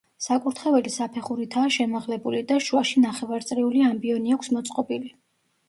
საკურთხეველი საფეხურითაა შემაღლებული და შუაში ნახევარწრიული ამბიონი აქვს მოწყობილი.